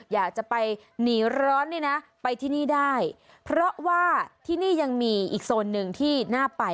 อยากจะไปหนีร้อนเนี่ยนะไปที่นี่ได้เพราะว่าที่นี่ยังมีอีกโซนหนึ่งที่น่าไป